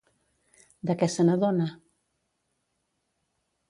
De què se n'adona?